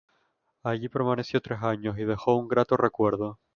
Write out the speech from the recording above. Allí permaneció tres años y dejó un grato recuerdo.